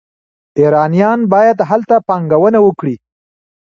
ایرانیان باید هلته پانګونه وکړي.